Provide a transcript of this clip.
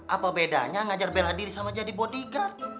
apa bedanya ngajar bela diri sama jadi bodyguard